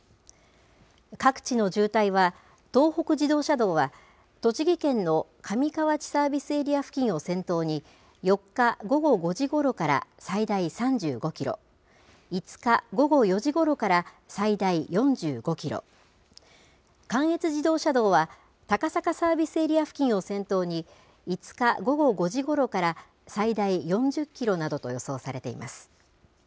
各地の渋滞は東北自動車道は栃木県の上河内サービスエリア付近を先頭に４日午後５時ごろから最大３５キロ、５日午後４時ごろから最大４５キロ、関越自動車道は高坂サービスエリア付近を先頭に５日午後５時ごろから最大４０キロなどと予想されています。